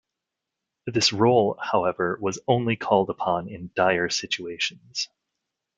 This role, however, was only called upon in dire situations.